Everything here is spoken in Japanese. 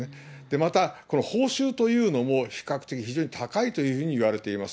またこの報酬というのも、比較的非常に高いというふうにいわれています。